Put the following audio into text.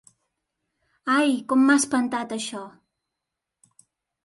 Ai, com m'ha espantat això!